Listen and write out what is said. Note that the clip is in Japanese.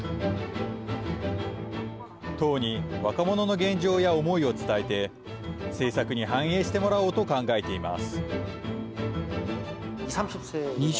党に若者の現状や思いを伝えて政策に反映してもらおうと考えています。